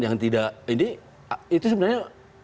ini itu sebenarnya